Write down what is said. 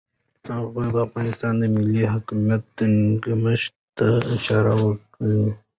هغه د افغانستان د ملي حاکمیت ټینګښت ته اشاره وکړه.